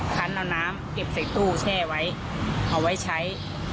คันเอาน้ำเก็บใส่ตู้แช่ไว้เอาไว้ใช้